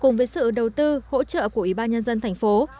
cùng với sự đầu tư hỗ trợ của ủy ban nhân dân thành phố